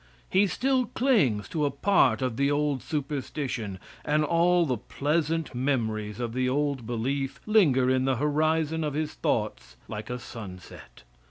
He still clings to a part of the old superstition, and all the pleasant memories of the old belief linger in the horizon of his thoughts like a sunset.